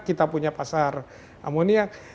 kita punya pasar amoniak